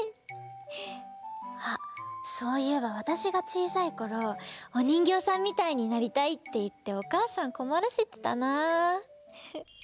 あそういえばわたしがちいさいころおにんぎょうさんみたいになりたいっていっておかあさんこまらせてたなあ。